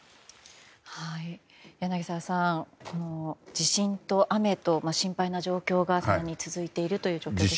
柳澤さん、地震と雨と心配な状況が更に続いているという状況ですね。